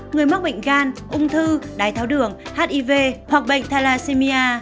người mắc bệnh gan ung thư đái tháo đường hiv hoặc bệnh thalassemia